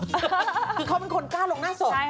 คือเขาเป็นคนกล้าลงหน้าศพ